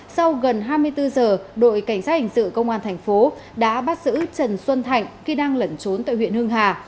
sau gần hai mươi bốn giờ đội cảnh sát hành sự công an tp đã bắt giữ trần xuân thạnh khi đang lẩn trốn tại huyện hưng hà